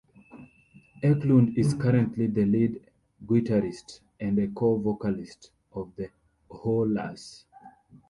Eklund is currently the lead guitarist and a co-vocalist of The Oohlas.